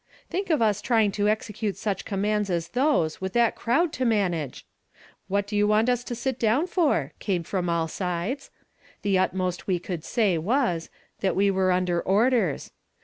" Think of us trying to execute such commands as those, with that crowd to manage !"' What do you want us to sit down for ?' came from all sides. The utmost we could say was, that we were under orders.